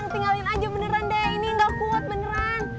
tinggalin aja beneran deh ini gak kuat beneran